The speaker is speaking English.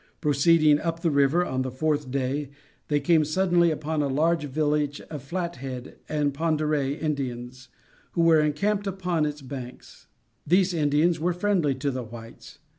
Proceeding up the river, on the fourth day, they came, suddenly, upon a large village of Flathead and Pondrai Indians who were encamped upon its banks. These Indians were friendly to the whites.